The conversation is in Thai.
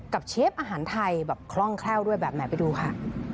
เชฟอาหารไทยแบบคล่องแคล่วด้วยแบบไหนไปดูค่ะ